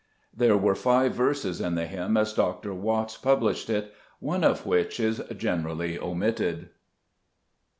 There were five verses in the hymn as Dr. Watts pub lished it, one of which is generally omitted.